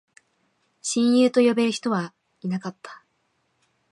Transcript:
親友と呼べる人はいなかった